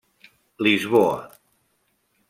Lisboa.